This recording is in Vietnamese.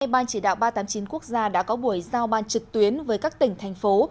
ban chỉ đạo ba trăm tám mươi chín quốc gia đã có buổi giao ban trực tuyến với các tỉnh thành phố